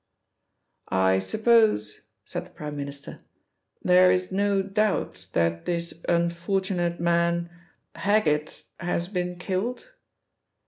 "I suppose," said the Prime Minister, "there is no doubt that this unfortunate man, Heggitt, has been killed."